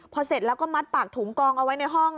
พอเสร็จแล้วก็มัดปากถุงกองเอาไว้ในห้อง